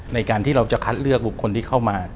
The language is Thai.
ในการที่เราจะคัดเลือกบุคคลที่เข้ามา